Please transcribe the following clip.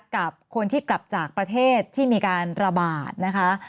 กับคนที่กลับจากประเทศที่มีการระบาดนะคะ